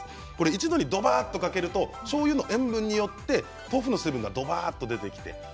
一度に、どばっとかけるとしょうゆの塩分によって豆腐の水分がどばっと出て。